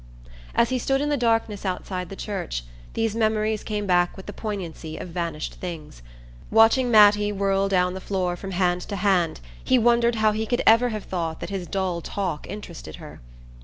As he stood in the darkness outside the church these memories came back with the poignancy of vanished things. Watching Mattie whirl down the floor from hand to hand he wondered how he could ever have thought that his dull talk interested her.